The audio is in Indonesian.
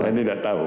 saya tidak tahu